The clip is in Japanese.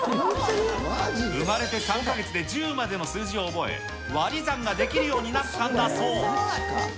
生まれて３か月で１０までの数字を覚え、割り算ができるようになったんだそう。